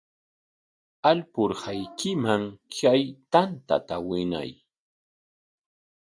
Alpurhaykiman kay tanta winay.